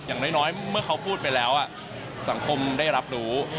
อย่างน้อยเมื่อเขาพูดไปแล้วสังคมได้รับรู้